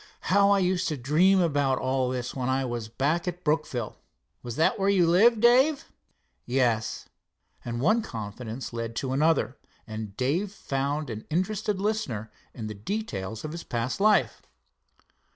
"How I used to dream about all this when I was back at Brookville." "Was that where you lived, Dave?" "Yes." And one confidence led to another, and Dave found an interested listener to the details of his past life.